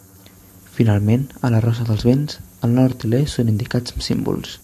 Finalment, a la rosa dels vents, el nord i l'est són indicats amb símbols.